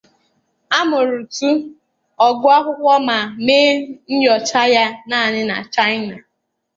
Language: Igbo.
A mụrụ Tu, ọ gụọ akwụkwọ ma mee nyocha ya naanị na China.